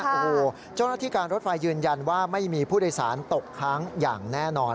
โอ้โหเจ้าหน้าที่การรถไฟยืนยันว่าไม่มีผู้โดยสารตกค้างอย่างแน่นอน